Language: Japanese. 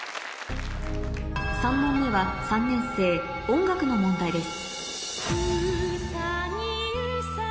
３問目は３年生音楽の問題です